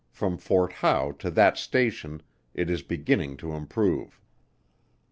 from Fort Howe to that station, it is beginning to improve.